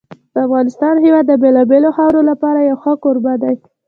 د افغانستان هېواد د بېلابېلو خاورو لپاره یو ښه کوربه دی.